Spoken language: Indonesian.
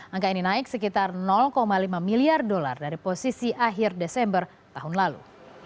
angka ini naik sekitar lima miliar dolar dari posisi akhir desember tahun lalu